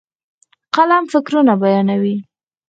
قلم فکرونه بیانوي.